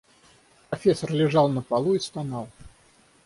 Профессор лежал на полу и стонал.